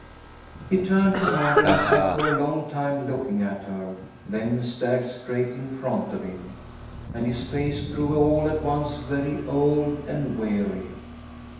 He turned to Mother and sat for a long time looking at her, then stared straight in front of him, and his face grew all at once very old and weary.